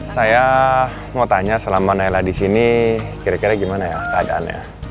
saya mau tanya selama naila di sini kira kira gimana ya keadaannya